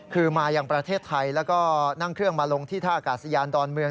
คือมายังประเทศไทยแล้วก็นั่งเครื่องมาลงที่ท่าอากาศยานดอนเมือง